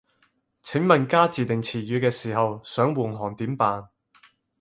請問加自訂詞語嘅時候，想換行點辦